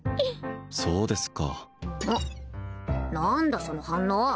そうですか何だその反応！